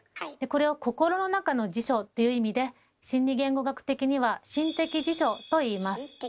これを心の中の辞書っていう意味で心理言語学的には「心的辞書」と言います。